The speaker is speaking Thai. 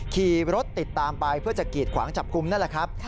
ขี่รถติดตามไปเพื่อจะกีดขวางจับกลุ่มนั่นแหละครับ